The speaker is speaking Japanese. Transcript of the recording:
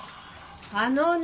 あのね。